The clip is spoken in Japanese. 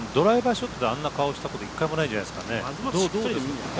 ショットであんな顔したこと１回もないんじゃないでしょうかね。